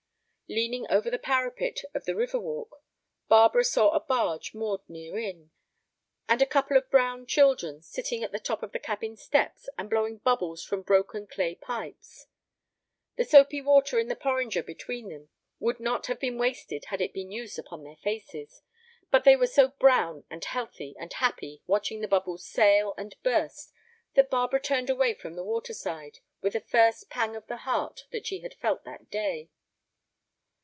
Leaning over the parapet of the river walk, Barbara saw a barge moored near in, and a couple of brown children sitting at the top of the cabin steps and blowing bubbles from broken clay pipes. The soapy water in the porringer between them would not have been wasted had it been used upon their faces. But they were so brown and healthy and happy watching the bubbles sail and burst that Barbara turned away from the water side with the first pang of the heart that she had felt that day.